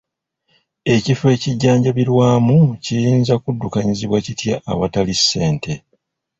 Ekifo ekijjanjabirwamu kiyinza kuddukanyizibwa kitya awatali ssente?